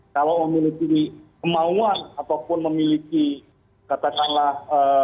kalau memiliki kemauan ataupun memiliki katakanlah